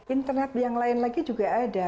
internet yang lain lagi juga ada